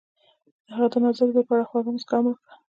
هغې د نازک زړه په اړه خوږه موسکا هم وکړه.